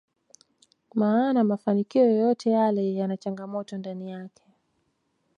maana mafanikio yoyote yale yana changamoto ndani yake